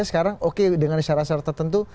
sekarang oke dengan syarat syarat tertentu